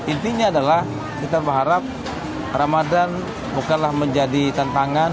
intinya adalah kita berharap ramadan bukanlah menjadi tantangan